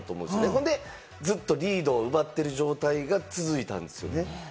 ほんで、ずっとリードを奪ってる状態が続いたんですね。